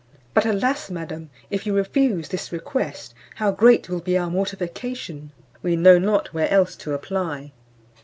But, alas! madam, if you refuse this request, how great will be our mortification! we know not where else to apply."